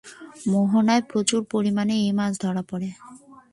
মোহনায় প্রচুর পরিমাণে এই মাছ ধরা পড়ে।